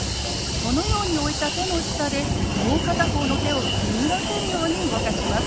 このように置いた手の下でもう片方の手をくぐらせるように動かします。